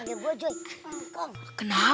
ini dulu lah